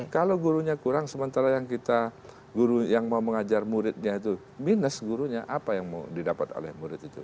kalau gurunya kurang sementara yang kita guru yang mau mengajar muridnya itu minus gurunya apa yang mau didapat oleh murid itu